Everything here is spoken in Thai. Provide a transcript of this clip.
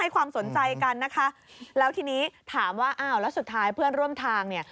ความสนใจกันนะคะแล้วทีนี้ถามว่าอ้าวแล้วสุดท้ายเพื่อนร่วมทางเนี่ย